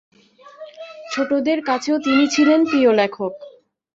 ছোটদের কাছেও তিনি ছিলেন প্রিয় লেখক।